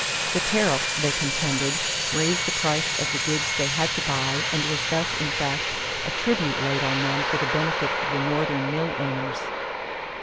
The tariff, they contended, raised the price of the goods they had to buy and was thus in fact a tribute laid on them for the benefit of the Northern mill owners.